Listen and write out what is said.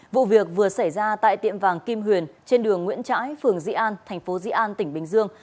vụ việc vừa xảy ra tại tiệm vàng kim huyền trên đường nguyễn trãi phường dị an thành phố dị an tỉnh bình dương